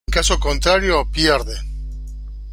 En caso contrario, pierde.